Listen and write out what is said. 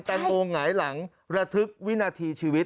จันโลหงหว่างไหหว้ของระทึกวินทีชีวิต